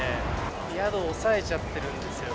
宿押さえちゃってるんですよ。